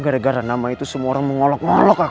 gara gara nama itu semua orang mengolok ngolok